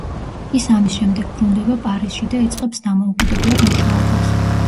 ის ამის შემდეგ ბრუნდება პარიზში და იწყებს დამოუკიდებლად მუშაობას.